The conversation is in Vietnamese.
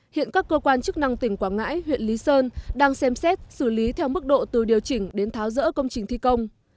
hiện các cơ quan chức năng tỉnh quảng ngãi huyện lý sơn đang xem xét xử lý theo mức độ từ điều chỉnh đến tháo rỡ công trình thi công